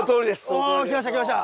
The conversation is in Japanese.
おきましたきました！